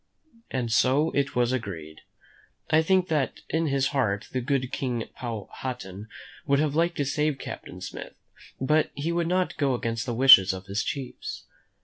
And so it was agreed. I think that in his heart the good King Powhatan would have liked to save Captain Smith, but he would not go against the wishes of his chiefs.